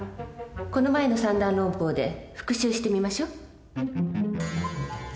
この前の三段論法で復習してみましょう。